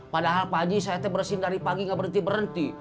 padahal haji saya bersin dari pagi gak berhenti berhenti